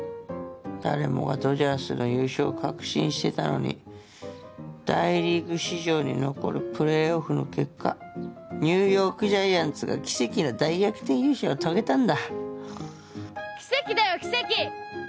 誰もがドジャースの優勝を確信してたのに大リーグ史上に残るプレーオフの結果ニューヨーク・ジャイアンツが奇跡の大逆転優勝を遂げたんだ。